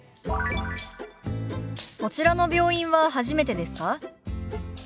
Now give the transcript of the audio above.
「こちらの病院は初めてですか？」。